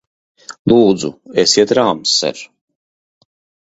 Lūdzu, esiet rāms, ser!